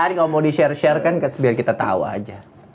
hari kalau mau di share share kan biar kita tahu aja